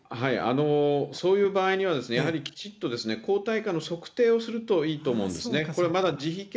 そういう場合には、やはりきちっと抗体価の測定をするといいと思うんですね。